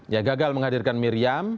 ya gagal menghadirkan miriam